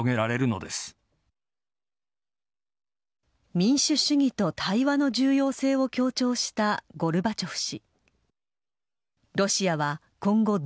民主主義と対話の重要性を強調したゴルバチョフ氏。